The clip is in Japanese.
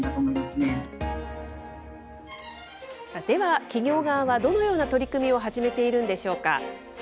では、企業側はどのような取り組みを始めているんでしょうか。